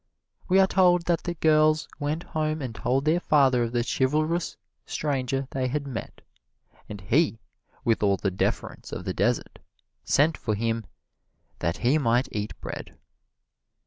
We are told that the girls went home and told their father of the chivalrous stranger they had met, and he, with all the deference of the desert, sent for him "that he might eat bread."